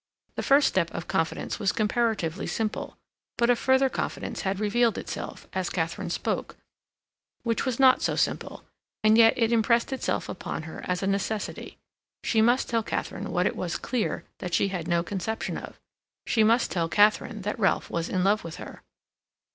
The first step of confidence was comparatively simple; but a further confidence had revealed itself, as Katharine spoke, which was not so simple, and yet it impressed itself upon her as a necessity; she must tell Katharine what it was clear that she had no conception of—she must tell Katharine that Ralph was in love with her.